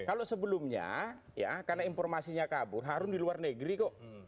kalau sebelumnya ya karena informasinya kabur harun di luar negeri kok